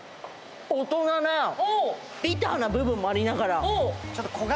ビターな部分もありながら。